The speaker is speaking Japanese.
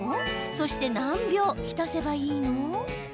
そして何秒、浸せばいいの？